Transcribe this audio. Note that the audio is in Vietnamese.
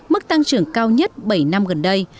mức tăng trưởng cao nhất bảy năm gần đây